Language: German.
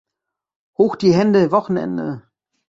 Hoch die Hände, Wochenende!